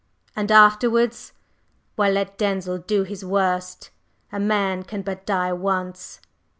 And afterwards, why let Denzil do his worst; a man can but die once."